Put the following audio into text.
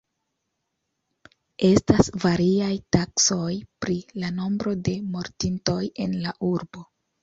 Estas variaj taksoj pri la nombro de mortintoj en la urbo.